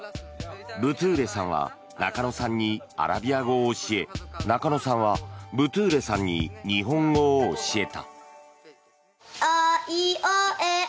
ブトゥーレさんは中野さんにアラビア語を教え中野さんはブトゥーレさんに日本語を教えた。